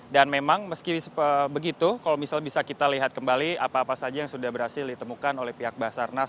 dan memang meski begitu kalau misalnya bisa kita lihat kembali apa apa saja yang sudah berhasil ditemukan oleh pihak basarnas